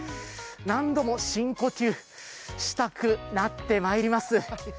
何度も深呼吸したくなってまいります。